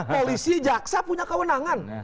polisi jaksa punya kewenangan